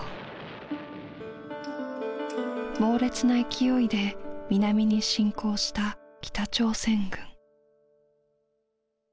猛烈な勢いで南に侵攻した北朝鮮軍。